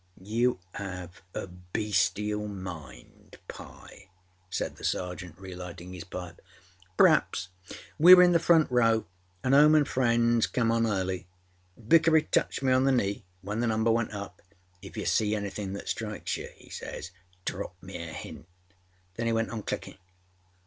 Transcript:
â âYou âave a beastial mind, Pye,â said the Sergeant, relighting his pipe. âPerhaps. We were in the front row, anâ âHome anâ Friendsâ came on early. Vickery touched me on the knee when the number went up. âIf you see anything that strikes you,â he says, âdrop me a hintâ; then he went on clicking.